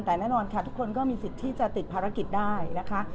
แต่แน่นอนค่ะทุกคนก็มีสิทธิ์ที่จะติดภารกิจได้นะคะ